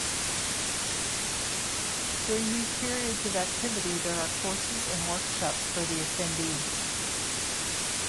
During these periods of activity there are courses and workshops for the attendees.